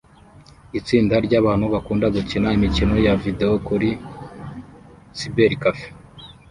Itsinda ryabantu bakunda gukina imikino ya videwo kuri cybercafe